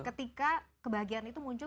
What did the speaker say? ketika kebahagiaan itu muncul